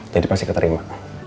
jadi pasti keterima